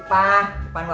tungguin aja ya